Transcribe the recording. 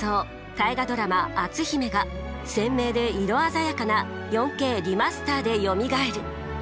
大河ドラマ「篤姫」が鮮明で色鮮やかな４Ｋリマスターでよみがえる！